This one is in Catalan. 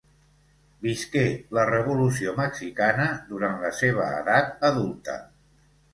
Visqué la Revolució Mexicana durant la seva edat adulta.